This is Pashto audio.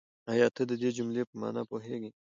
آيا ته د دې جملې په مانا پوهېږې؟